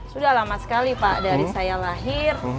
sudah lama sekali pak dari saya lahir